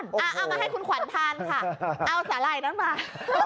เอามาให้คุณขวัญทานค่ะเอาสาหร่ายนั้นมา